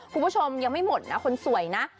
คุณผู้ชมยังไม่หมดนะคนสวยนะ